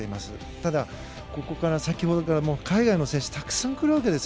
ただ、ここに先ほどから海外の選手がたくさん来るわけです。